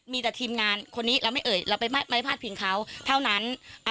มีแต่ทีมงานคนนี้เราไม่ผ้าถึงเขาเท่านั้น